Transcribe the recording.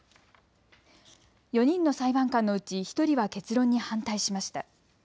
４人の裁判官のうち１人は結論に反対しました。